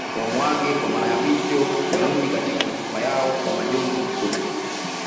Wamuage kwa Mara ya mwisho warudi katika majumba yao kwa majonzi makubwa